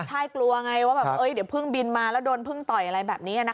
ใช่กลัวไงว่าแบบเดี๋ยวเพิ่งบินมาแล้วโดนพึ่งต่อยอะไรแบบนี้นะคะ